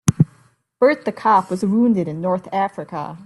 Bert the cop was wounded in North Africa.